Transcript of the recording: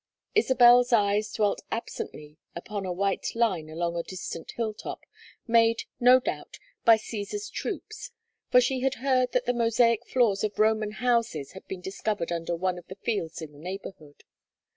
Isabel's eyes dwelt absently upon a white line along a distant hill top, made, no doubt, by Cæsar's troops; for she had heard that the mosaic floors of Roman houses had been discovered under one of the fields in the neighborhood.